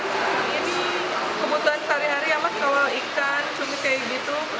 ini kebutuhan sehari hari ya mas kalau ikan cumi kayak gitu